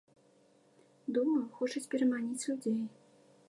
Думаю, хочуць пераманіць людзей.